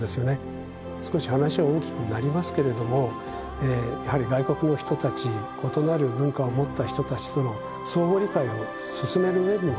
少し話は大きくなりますけれどもやはり外国の人たち異なる文化を持った人たちとの相互理解を進めるうえでもですね